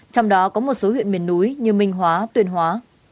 trong đó có một số huyện miền núi như minh hóa tuyên hóa